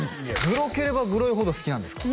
グロければグロいほど好きなんですか？